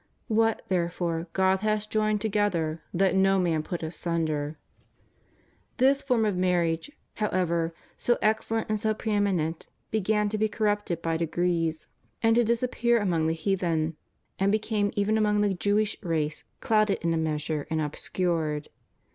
What, therefore, God hath joined together, let no man put asunder.^ This form of marriage, however, so excellent and so pre eminent, began to be corrupted by degrees, and to > Matt. xix. 5. 6. CHRISTIAN MARRIAGE. 61 disappear among the heathen; and became even among the Jewish race clouded in a measure and obscured.